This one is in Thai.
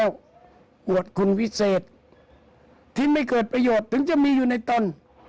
อวดคุณวิเศษที่ไม่เกิดประโยชน์ถึงจะมีอยู่ในตน